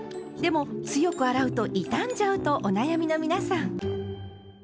でも強く洗うと傷んじゃうとお悩みの皆さん。